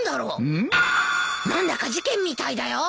何だか事件みたいだよ。